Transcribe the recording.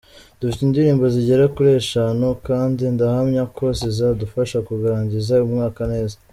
Dufite indirimbo zigera kuri eshanu kandi ndahamya ko zizadufasha kurangiza umwaka neza.